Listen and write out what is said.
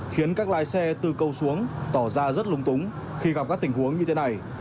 khiến các lái xe từ câu xuống tỏ ra rất lung túng khi gặp các tình huống như thế này